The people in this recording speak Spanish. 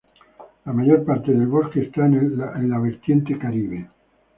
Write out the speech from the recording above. La mayor parte del bosque esta en la vertiente Caribe.